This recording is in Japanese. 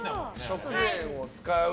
食塩を使う。